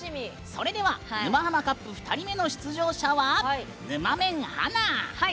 「沼ハマカップ」２人目の出場者はぬまメン、華。